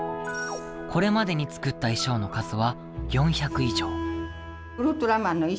これまでに作った衣装の数は４００以上。